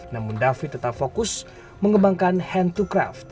namun david tetap fokus mengembangkan hand to craft